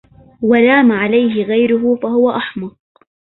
ولام عليـه غيـره فهـو أحمـق